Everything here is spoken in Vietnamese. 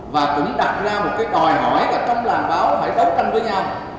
và cũng đặt ra một cái đòi hỏi là trong làm báo phải đấu tranh với nhau